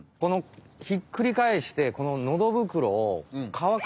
ひっくり返してこののど袋を乾かしてる。